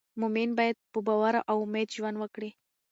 مؤمن باید په باور او امید ژوند وکړي.